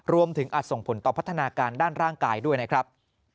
อาจส่งผลต่อพัฒนาการด้านร่างกายด้วยนะครับ